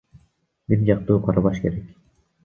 Бир жактуу карабаш керек.